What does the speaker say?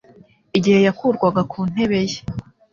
Igihe yakurwaga ku ntebe ye,